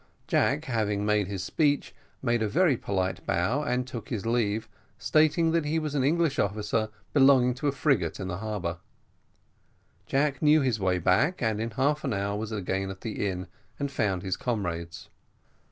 Jack, having made his speech, made a very polite bow and took his leave, stating that he was an English officer belonging to a frigate in the harbour. He knew his way back, and in half an hour was again at the inn, and found his comrades.